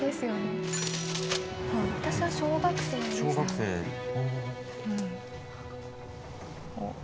私は小学生でした。